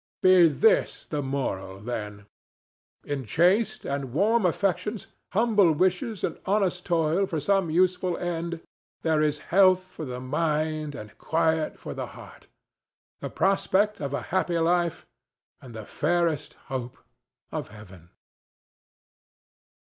Be this the moral, then: In chaste and warm affections, humble wishes and honest toil for some useful end there is health for the mind and quiet for the heart, the prospect of a happy life and the fairest hope of heaven.